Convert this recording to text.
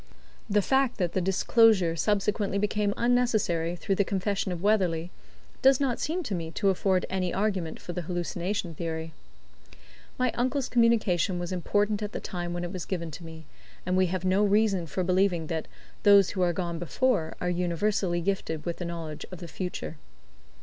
The fact that the disclosure subsequently became unnecessary through the confession of Weatherley does not seem to me to afford any argument for the hallucination theory. My uncle's communication was important at the time when it was given to me; and we have no reason for believing that "those who are gone before" are universally gifted with a knowledge of the future.